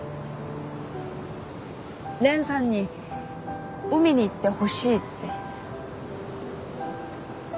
蓮さんに海に行ってほしいって。